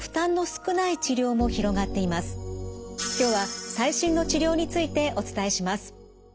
今日は最新の治療についてお伝えします。